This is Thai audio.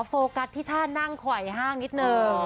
ขอโฟกัสที่ฉานั่งไขว้ห้างนิดหนึ่ง